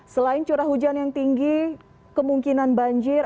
selain curah hujan yang tinggi kemungkinan banjir